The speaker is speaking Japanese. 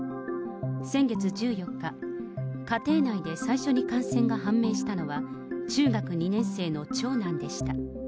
先月１４日、家庭内で最初に感染が判明したのは、中学２年生の長男でした。